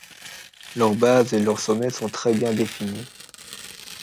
Leur base et sommet sont très bien définis.